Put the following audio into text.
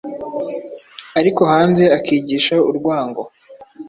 ariko hanze akigisha urwango.